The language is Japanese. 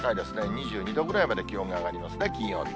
２２度ぐらいまで気温が上がりますね、金曜日。